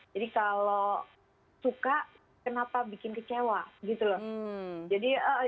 jadi kalau suka kenapa bikin kecewa gitu loh